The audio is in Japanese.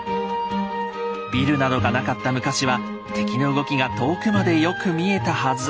ビルなどがなかった昔は敵の動きが遠くまでよく見えたはず。